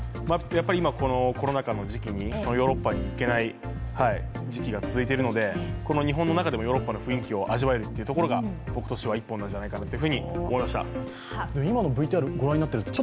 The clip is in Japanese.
今、このコロナ禍の時期にヨーロッパに行けない時期が続いているので、この日本の中でもヨーロッパの雰囲気を味わえるところが僕としては一本なんじゃないかと思いました。